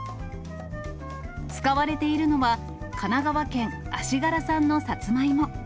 使われているのは、神奈川県足柄産のサツマイモ。